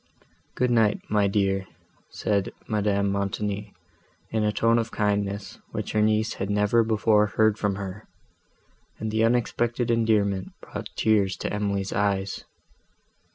"Good night, my dear," said Madame Montoni, in a tone of kindness, which her niece had never before heard from her; and the unexpected endearment brought tears to Emily's eyes.